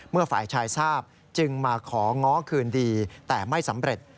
ฝ่ายชายทราบจึงมาของ้อคืนดีแต่ไม่สำเร็จ